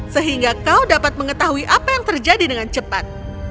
sehingga kau dapat mengetahui apa yang terjadi dengan cepat